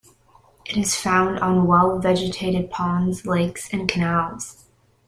It is found on well-vegetated ponds, lakes and canals.